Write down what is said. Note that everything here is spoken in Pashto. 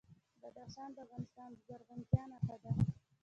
بدخشان د افغانستان د زرغونتیا نښه ده.